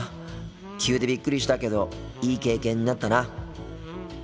急でびっくりしたけどいい経験になったな。